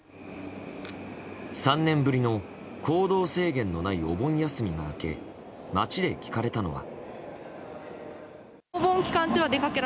３年ぶりの行動制限のないお盆休みが明け街で聞かれたのは。